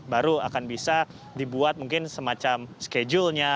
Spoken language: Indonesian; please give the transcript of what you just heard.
baru akan bisa dibuat mungkin semacam schedule nya